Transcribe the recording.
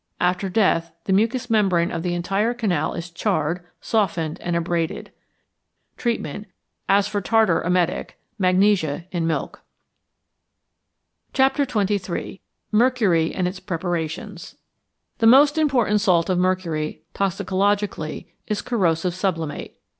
After death the mucous membrane of the entire canal is charred, softened, and abraded. Treatment. As for tartar emetic; magnesia in milk. XXIII. MERCURY AND ITS PREPARATIONS The most important salt of mercury, toxicologically, is corrosive sublimate.